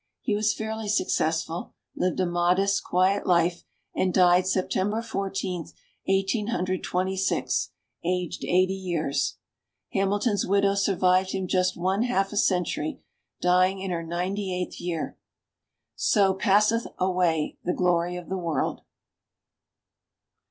He was fairly successful, lived a modest, quiet life, and died September Fourteenth, Eighteen Hundred Thirty six, aged eighty years. Hamilton's widow survived him just one half a century, dying in her ninety eighth year. So passeth away the glory of the world.